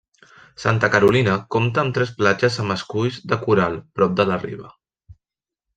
Santa Carolina compta amb tres platges amb esculls de coral prop de la riba.